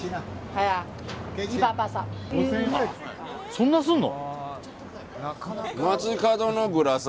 そんなするの？